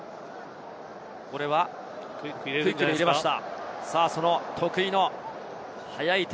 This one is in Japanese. これはクイックで入れました。